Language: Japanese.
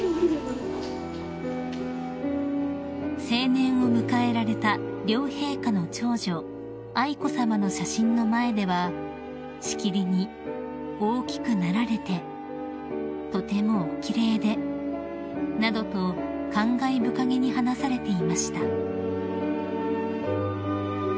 ［成年を迎えられた両陛下の長女愛子さまの写真の前ではしきりに「大きくなられて」「とてもお奇麗で」などと感慨深げに話されていました］